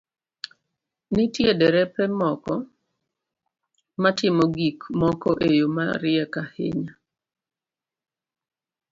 Nitie derepe moko matimo gik moko e yo mariek ahinya,